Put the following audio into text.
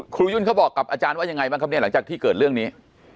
ยุ่นเขาบอกกับอาจารย์ว่ายังไงบ้างครับเนี่ยหลังจากที่เกิดเรื่องนี้